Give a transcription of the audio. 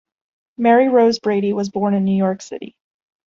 Mary Rose Brady was born in New York City.